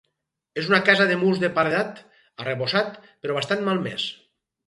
És una casa de murs de paredat, arrebossat, però bastant malmès.